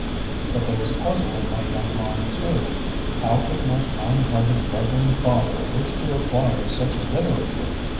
But there was puzzle in my young mind, too ; how could my kind hearted reverend father wish to acquire such literature?